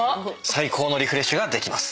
最高のリフレッシュができます。